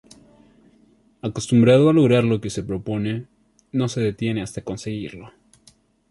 Acostumbrado a lograr lo que se propone, no se detiene hasta conseguirlo.